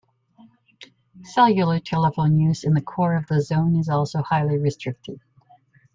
Cellular telephone use in the core of the zone is also highly restricted.